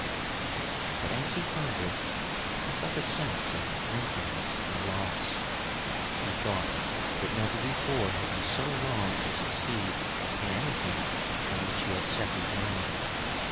But as he pondered, he felt a sense of emptiness and loss. He thought that never before had he so longed to succeed in anything on which he had set his mind.